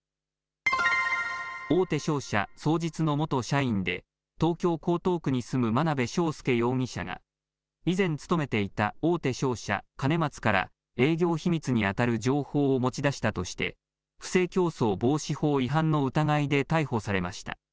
大手商社、双日の元社員で東京江東区に住む眞鍋昌奨容疑者が以前勤めていた大手商社、兼松から営業秘密にあたる情報を持ち出したとして不正競争防止法違反の疑いで逮捕されました。